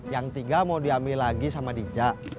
yang tiga mau diambil lagi sama dija